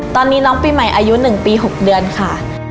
ตอนนี้น้องปีใหม่อายุ๑ปี๖เดือนค่ะ